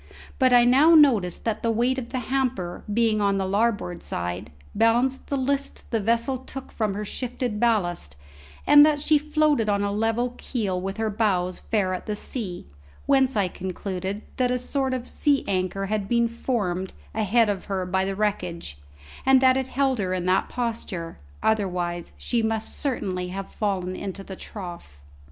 But I now noticed that the weight of the hamper being on the larboard side, balanced the list the vessel took from her shifted ballast, and that she floated on a level keel with her bows fair at the sea, whence I concluded that a sort of sea anchor had been formed ahead of her by the wreckage, and that it held her in that posture, otherwise she must certainly have fallen into the trough.